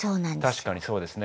確かにそうですね。